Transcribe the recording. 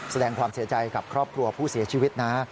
แสดงความเสียใจกับครอบครัวผู้เสียชีวิตนะ